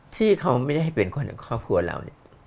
ที่เขาไม่ได้ให้เป็นคนในครอบครัวเรา